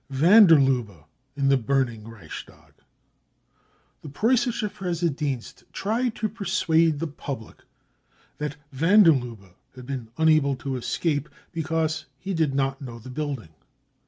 Van der Lubbe in the Burning Reichstag. The Preus sische Pressedienst tried to persuade the public that van der Lubbe hatl been unable to escape because he did not know the building.